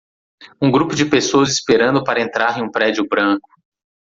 Um grupo de pessoas esperando para entrar em um prédio branco.